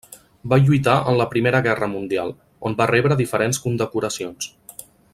Va lluitar en la Primera Guerra Mundial, on va rebre diferents condecoracions.